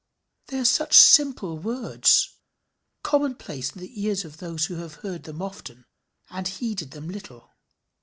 They are such simple words commonplace in the ears of those who have heard them often and heeded them little!